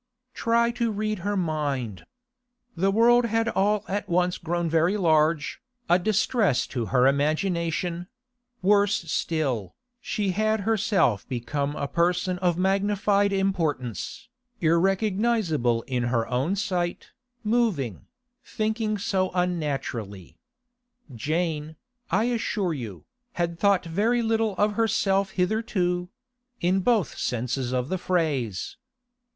Try to read her mind. The world had all at once grown very large, a distress to her imagination; worse still, she had herself become a person of magnified importance, irrecognisable in her own sight, moving, thinking so unnaturally. Jane, I assure you, had thought very little of herself hitherto—in both senses of the phrase.